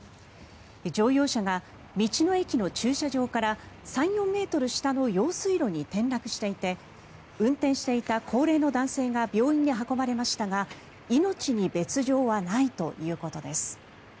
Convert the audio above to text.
乗用車が道の駅の駐車場から３４ｍ下の用水路に転落していて運転していた高齢の男性が病院へ運ばれましたが命に別条はないということです。